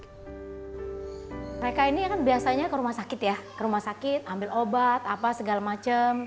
mereka ini kan biasanya ke rumah sakit ya ke rumah sakit ambil obat apa segala macem